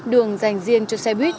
đường dành riêng cho xe buýt